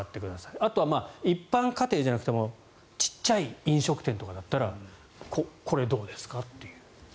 あとは一般家庭じゃなくても小さい飲食店とかだったらこれ、どうですか？という。